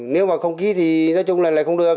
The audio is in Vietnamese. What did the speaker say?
nếu mà không ký thì nói chung là không được